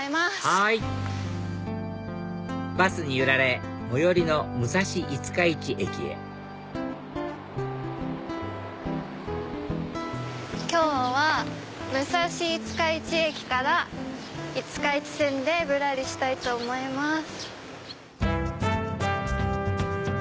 はいバスに揺られ最寄りの武蔵五日市駅へ今日は武蔵五日市駅から五日市線でぶらりしたいと思います。